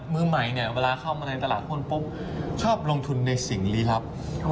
มือใหม่เวลาเข้ามาในตลาดคนปุ๊บชอบลงทุนในสิ่งรีลับ